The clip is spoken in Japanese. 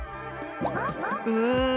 うん。